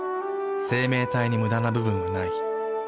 生命体にムダな部分はない。